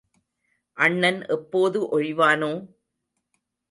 அண்ணன் எப்போது ஒழிவானோ?